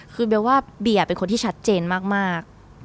คือเบียร์เป็นคนที่ชัดเจนมาก